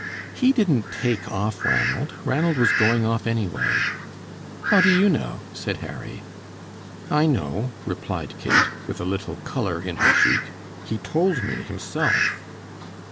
"He didn't take off Ranald. Ranald was going off anyway." "How do you know?" said Harry. "I know," replied Kate, with a little color in her cheek. "He told me himself."